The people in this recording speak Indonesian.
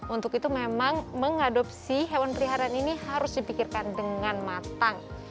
untuk itu memang mengadopsi hewan peliharaan ini harus dipikirkan dengan matang